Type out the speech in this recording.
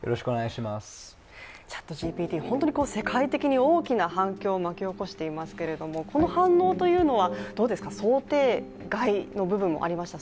ＣｈａｔＧＰＴ、本当に世界的に大きな反響を巻き起こしていますけれども、この反応というのはどうですか想定外の部分もありました？